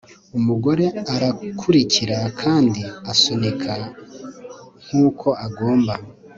umugore arakurikira kandi asunika, nkuko agomba